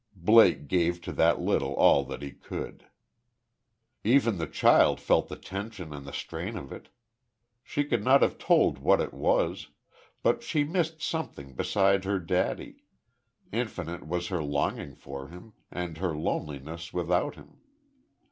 Blake gave to that little all that he could. Even the child felt the tension, and the strain of it. She could not have told what it was; but she missed something beside her daddy, infinite was her longing for him, and her loneliness without him.